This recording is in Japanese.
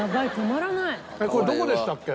えっこれどこでしたっけ？